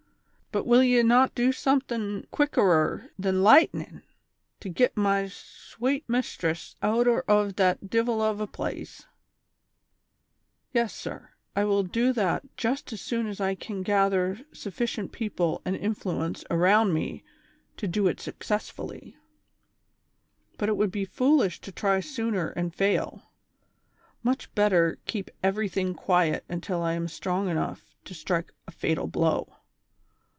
" But will ye not do somethin' quickerer than lightnin' to git my swate mishtress outer ov that divil ov a plaze V "" Yes, sir, I will do that just as soon as I can gather suf ficient people and influence around me to do it success fully ; but it would be foolish to try sooner and fail ; much better keep everything quiet until I am strong enough to strike a fatal blow.